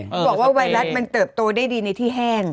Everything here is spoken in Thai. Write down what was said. เขาบอกว่าไวรัสมันเติบโตได้ดีในที่แห้ง